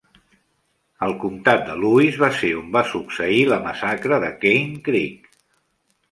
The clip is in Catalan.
El comtat de Lewis va ser on va succeir la massacre de Cane Creek.